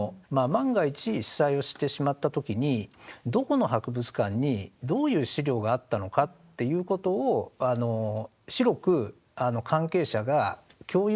万が一被災をしてしまった時にどこの博物館にどういう資料があったのかっていうことを広く関係者が共有することによって